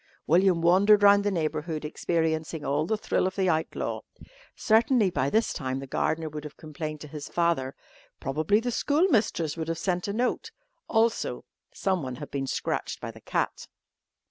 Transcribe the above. William wandered round the neighbourhood experiencing all the thrill of the outlaw. Certainly by this time the gardener would have complained to his father, probably the schoolmistress would have sent a note. Also someone had been scratched by the cat.